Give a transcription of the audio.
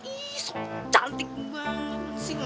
ih cantik banget sih